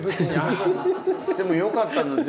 あでもよかった。